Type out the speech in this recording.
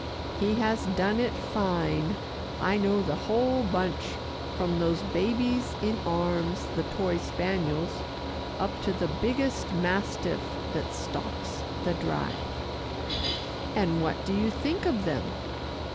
"He has done it fine. I know the whole bunch from those babies in arms, the toy spaniels, up to the biggest mastiff that stalks the Drive." "And what do you think of them?"